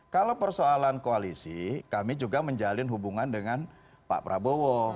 kalau persoalan koalisi kami juga menjalin hubungan dengan pak prabowo